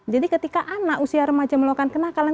jadi ketika anak usia remaja melakukan kenakalan